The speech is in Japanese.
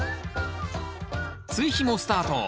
追肥もスタート。